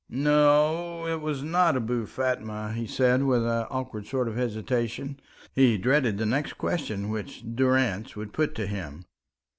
"No; it was not Abou Fatma," he said, with an awkward sort of hesitation. He dreaded the next question which Durrance would put to him.